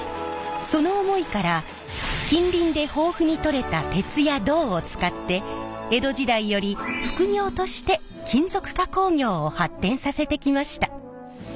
その思いから近隣で豊富にとれた鉄や銅を使って江戸時代より副業として金属加工業を発展させてきました。